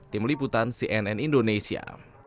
tim liputan cnn indonesia